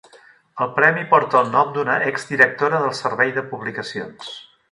El premi porta el nom d'una exdirectora del servei de publicacions.